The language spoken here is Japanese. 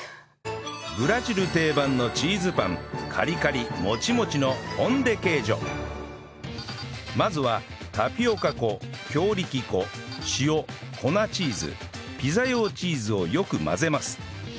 ブラジル定番のチーズパンカリカリモチモチのまずはタピオカ粉強力粉塩粉チーズピザ用チーズをよく混ぜます